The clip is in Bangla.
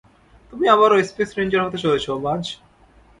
তুমি আবারও স্পেস রেঞ্জার হতে চলেছো, বায।